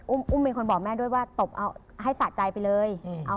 อุ้มเป็นคนบอกแม่ด้วยว่าตบเอาให้สะใจไปเลย